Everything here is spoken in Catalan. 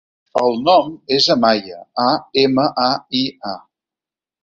El nom és Amaia: a, ema, a, i, a.